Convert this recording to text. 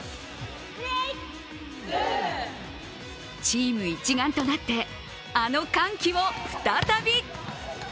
チーム一丸となって、あの歓喜を再び。